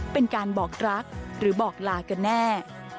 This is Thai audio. เป็นการบอกรักหรือบอกลากันแน่